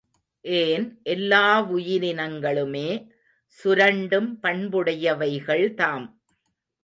ஏன் எல்லா வுயிரினங்களுமே சுரண்டும் பண்புடையவைகள்தாம்!